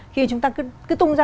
khi chúng ta cứ tung ra